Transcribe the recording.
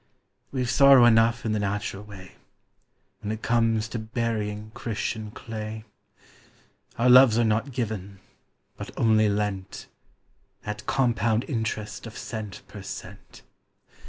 We've sorrow enough in the natural way, When it comes to burying Christian clay. Our loves are not given, but only lent, At compound interest of cent per cent.